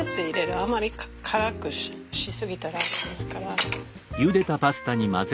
あんまり辛くし過ぎたら駄目ですから。